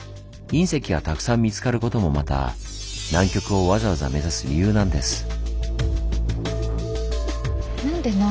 隕石がたくさん見つかることもまた南極をわざわざ目指す理由なんです。